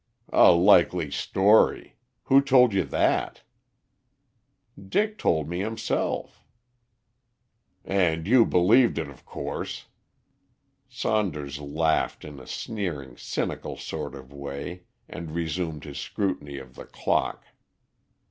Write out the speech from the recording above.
"A likely story! Who told you that?" "Dick told me himself." "And you believed it, of course!" Saunders laughed in a sneering, cynical sort of way and resumed his scrutiny of the clock.